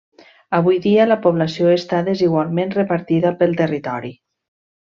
Avui dia la població està desigualment repartida pel territori.